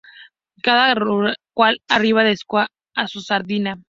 Cada cual arrima el ascua a su sardina